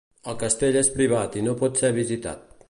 El castell és privat i no pot ser visitat.